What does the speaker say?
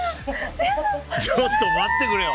ちょっと待ってくれよ。